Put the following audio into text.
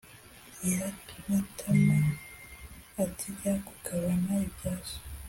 nyiramana ati: “jya kugabana ibya so